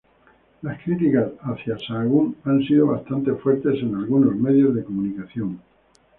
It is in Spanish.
Las críticas hacia Sahagún han sido bastante fuertes en algunos medios de comunicación.